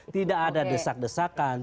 tidak ada desak desakan